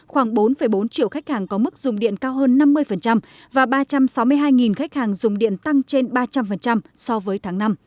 khoảng bốn bốn triệu khách hàng có mức dùng điện cao hơn năm mươi và ba trăm sáu mươi hai khách hàng dùng điện tăng trên ba trăm linh so với tháng năm